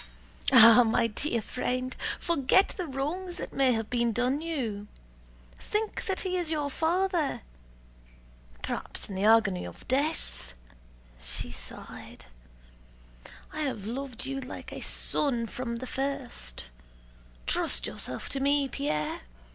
"Ah, my dear friend! Forget the wrongs that may have been done you. Think that he is your father ... perhaps in the agony of death." She sighed. "I have loved you like a son from the first. Trust yourself to me, Pierre.